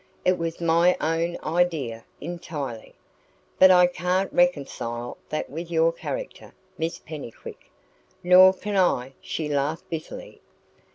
It was my own idea entirely." "But I can't reconcile that with your character, Miss Pennycuick." "Nor can I," she laughed bitterly.